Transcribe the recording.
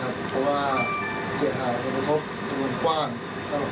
การกระทำอย่างนี้มันทำให้กระทบกระเทือนไปถึงหลายวงการนะครับ